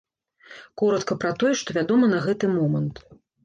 Коратка пра тое, што вядома на гэты момант.